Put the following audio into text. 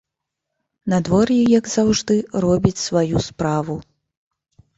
Надвор'е, як заўжды, робіць сваю справу.